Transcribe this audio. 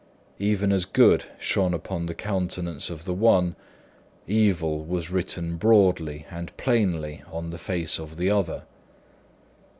Even as good shone upon the countenance of the one, evil was written broadly and plainly on the face of the other.